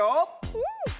うん！